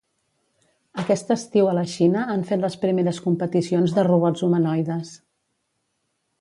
Aquest estiu a la Xina han fet les primeres competicions de robots humanoides.